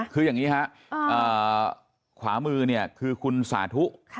คืออย่างนี้ฮะขวามือเนี่ยคือคุณสาธุ